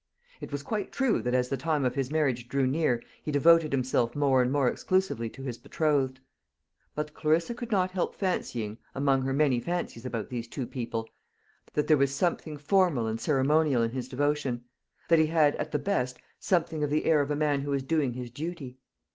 It was quite true that as the time of his marriage drew near he devoted himself more and more exclusively to his betrothed; but Clarissa could not help fancying, among her many fancies about these two people, that there was something formal and ceremonial in his devotion; that he had, at the best, something of the air of a man who was doing his duty.